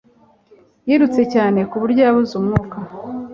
Yirutse cyane ku buryo yabuze umwuka